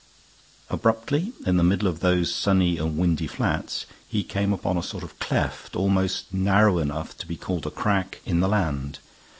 Abruptly, in the middle of those sunny and windy flats, he came upon a sort of cleft almost narrow enough to be called a crack in the land.